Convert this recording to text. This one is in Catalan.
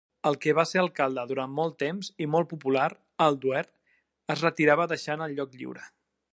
El que va ser alcalde durant molt temps, i molt popular, Al Duerr, es retirava deixant el lloc lliure.